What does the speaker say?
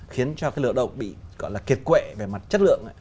khiến cho cái lợi động bị kiệt quệ về mặt chất lượng